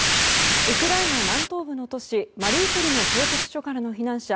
ウクライナ南東部の都市マリウポリの製鉄所からの避難者